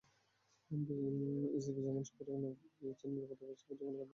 ECB যেমন সফরের আগে নিরাপত্তাব্যবস্থা পর্যবেক্ষণের কথা বলছে, ক্রিকেট অস্ট্রেলিয়াও তা-ই করেছিল।